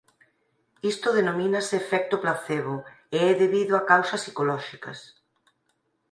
Isto denomínase efecto placebo e é debido a causas psicolóxicas.